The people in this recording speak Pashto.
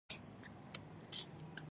رضوان په خندا.